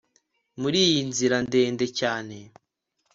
Muri iyi nzira ndende cyane